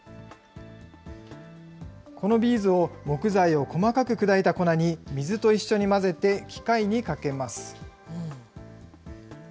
このビーズを木材を細かく砕いた粉に水と一緒に混ぜて機械にかけます。